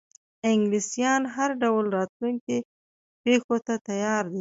انګلیسیان هر ډول راتلونکو پیښو ته تیار دي.